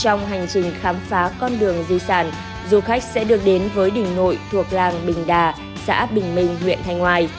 trong hành trình khám phá con đường di sản du khách sẽ được đến với đình nội thuộc làng bình đà xã bình minh huyện thanh ngoài